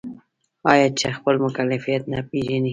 آیا چې خپل مکلفیت نه پیژني؟